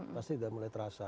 pasti sudah mulai terasa